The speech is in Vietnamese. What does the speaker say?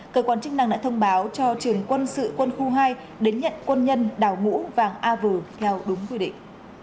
cơ quan chức năng đã thông báo cho trường quân sự quân khu hai đến nhận quân nhân đào ngũ vàng a vừ theo đúng quy định